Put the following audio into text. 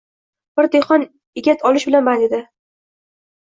Bir dehqon egat olish bilan band edi